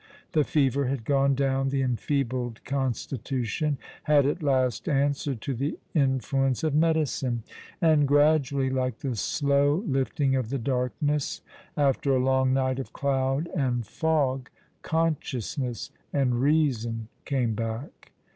The fever had gone down — the enfeebled constitution had at last answered to the influence of medicine ;*' Of the Weak my Heart is Weakest!'' 135 and gradually, like tlie slow lifting of the darkness after a long night of clond and fog, consciousness and reason came back.